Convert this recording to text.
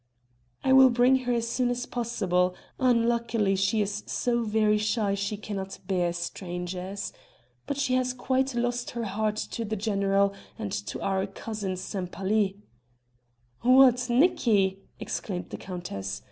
"I will bring her as soon as possible; unluckily she is so very shy she cannot bear strangers. But she has quite lost her heart to the general and to our cousin Sempaly." "What, Nicki!" exclaimed the countess.